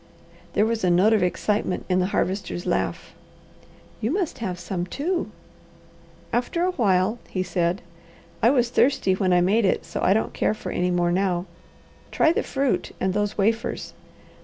There was a note of excitement in the Harvester's laugh. "You must have some, too!" "After a while," he said. "I was thirsty when I made it, so I don't care for any more now. Try the fruit and those wafers.